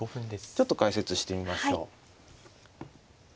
ちょっと解説してみましょう。